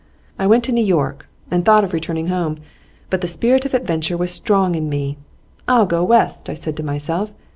I went to New York, and thought of returning home, but the spirit of adventure was strong in me. "I'll go West," I said to myself.